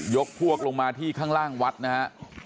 พวกลงมาที่ข้างล่างวัดนะฮะ